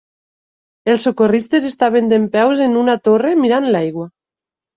Els socorristes estaven dempeus en una torre mirant l'aigua.